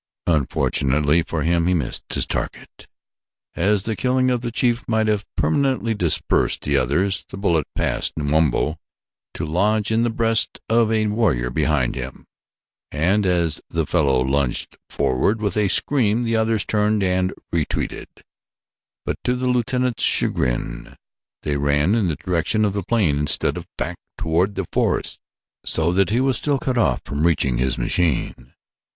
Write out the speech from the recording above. Unfortunately for him it missed its target, as the killing of the chief might have permanently dispersed the others. The bullet passed Numabo to lodge in the breast of a warrior behind him and as the fellow lunged forward with a scream the others turned and retreated, but to the lieutenant's chagrin they ran in the direction of the plane instead of back toward the forest so that he was still cut off from reaching his machine.